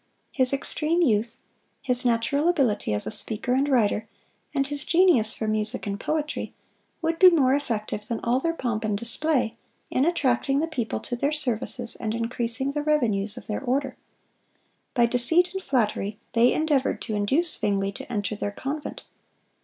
His extreme youth, his natural ability as a speaker and writer, and his genius for music and poetry, would be more effective than all their pomp and display, in attracting the people to their services and increasing the revenues of their order. By deceit and flattery they endeavored to induce Zwingle to enter their convent.